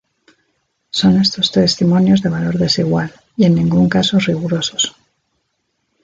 Son estos testimonios de valor desigual, y en ningún caso rigurosos.